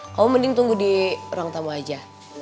kamu mending tunggu di orang tamu aja